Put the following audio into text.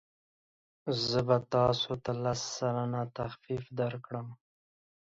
زه به تاسو ته لس سلنه تخفیف درکړم.